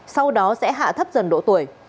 sau đó sẽ hạ thấp dần độ tuổi